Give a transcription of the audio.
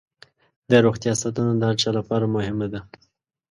د روغتیا ساتنه د هر چا لپاره مهمه ده.